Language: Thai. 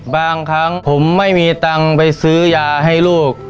บางครั้งผมไม่มีตังค์ไปซื้อยาให้ลูก